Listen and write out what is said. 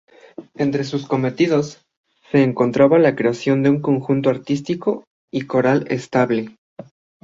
Entre sus cometidos se encontraba la creación de un conjunto artístico y coral estable.